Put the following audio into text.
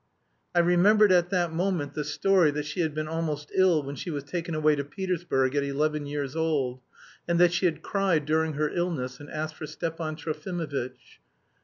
I remembered at that moment the story that she had been almost ill when she was taken away to Petersburg at eleven years old, and that she had cried during her illness and asked for Stepan Trofimovitch.